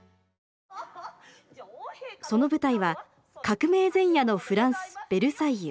その舞台は革命前夜のフランス・ベルサイユ。